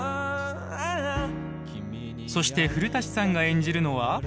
そして古舘さんが演じるのは。